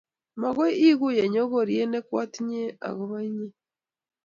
magoi iguye nyogoriet ne kwatinye akobo inye